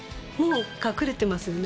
隠れてますね。